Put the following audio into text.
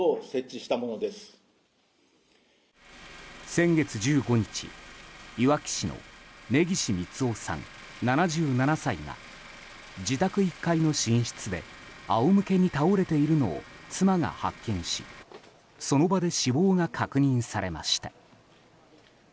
先月１５日、いわき市の根岸三男さん、７７歳が自宅１階の寝室で仰向けに倒れているのを妻が発見しその場で死亡が確認されました。